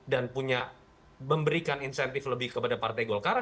dan punya memberikan insentif lebih kepada partai golkarra